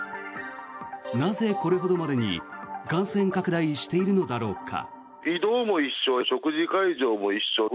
なぜ、これほどまでに感染拡大しているのだろうか。